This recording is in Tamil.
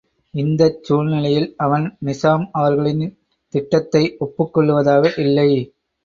இந்தச் சூழ்நிலையில் அவன் நிசாம் அவர்களின் திட்டத்தை ஒப்புக் கொள்ளுவதாக இல்லை.